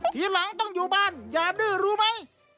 ทีหลังต้องอยู่บ้านอย่าดื้อรู้ไหม